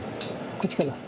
こっちから。